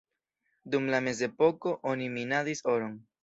Dum la mezepoko oni minadis oron.